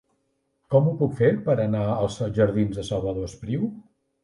Com ho puc fer per anar als jardins de Salvador Espriu?